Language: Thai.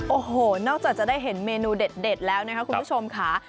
โอ้โหนอกจากจะได้เห็นเมนูเด็ดแล้วนะคะคุณผู้ชมค่ะ